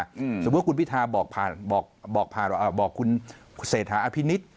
สมมุติว่าคุณพิธาบอกคุณเศรษฐาอภินิษฐ์